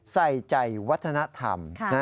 ใส่ใจวัฒนธรรม